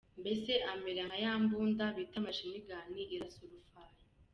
Mbese amera nka ya mbunda bita mashinigani irasa urufaya.